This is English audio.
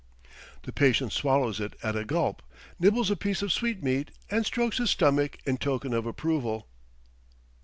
The patient swallows it at a gulp, nibbles a piece of sweetmeat, and strokes his stomach in token of approval.